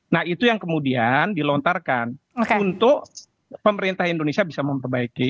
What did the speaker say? nah itu yang kemudian dilontarkan untuk pemerintah indonesia bisa memperbaiki